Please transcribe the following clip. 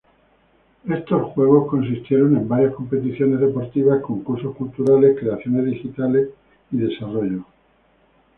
Estos juegos consistieron en varias competiciones deportivas, concursos culturales, creaciones digitales y desarrollo.